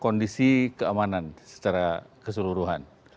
kondisi keamanan secara keseluruhan